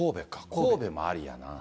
神戸もありやな。